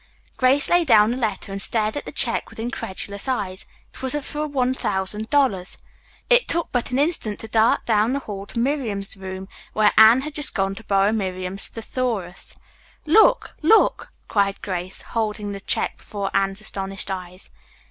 Grace lay down the letter and stared at the check with incredulous eyes. It was for one thousand dollars. It took but an instant to dart down the hall to Miriam's room, where Anne had just gone to borrow Miriam's Thesaurus. "Look, look!" cried Grace, holding the check before Anne's astonished eyes.